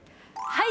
はい！